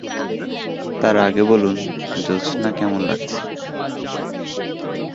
তার আগে বলুন, জোছনা কেমন লাগছে।